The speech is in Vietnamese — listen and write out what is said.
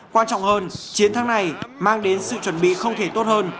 quan trọng hơn chiến thắng này mang đến sự chuẩn bị không thể tốt hơn